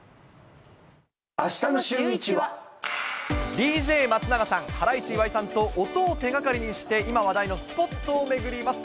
ＤＪ松永さん、ハライチ・岩井さんと、音を手掛かりにして、今話題のスポットを巡ります。